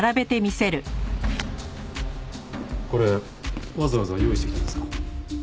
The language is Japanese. これわざわざ用意してきたんですか？